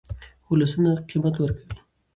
ولسونه قیمت ورکوي.